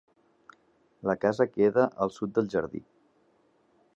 La casa queda al sud del jardí.